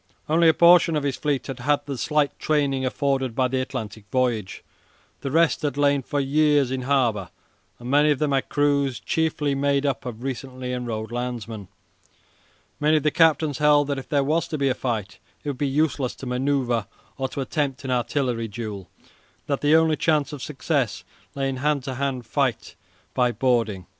Only a portion of his fleet had had the slight training afforded by the Atlantic voyage. The rest had lain for years in harbour, and many of them had crews chiefly made up of recently enrolled landsmen. Many of the captains held that if there was to be a fight it would be useless to manoeuvre or to attempt an artillery duel, and that the only chance of success lay in a hand to hand fight by boarding.